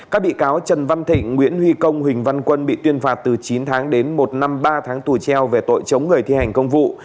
các bị cáo trần văn thịnh nguyễn huy công huỳnh văn quân bị tuyên phạt từ chín tháng đến một năm ba tháng tù treo về tội chống người thi hành công vụ